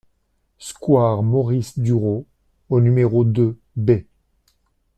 Square Maurice Dureau au numéro deux B